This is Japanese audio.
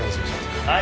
はい。